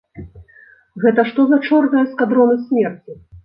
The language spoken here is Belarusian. Гэта што за чорныя эскадроны смерці?!